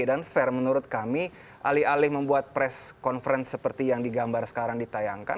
dan fair menurut kami alih alih membuat press conference seperti yang digambar sekarang ditayangkan